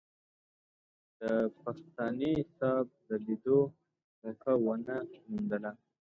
د بختاني صاحب د لیدو موقع ونه موندله.